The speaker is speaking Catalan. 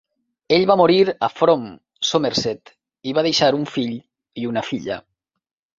Ell va morir a Frome, Somerset, i va deixar un fill i una filla.